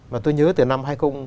mà tôi nhớ từ năm hai nghìn một mươi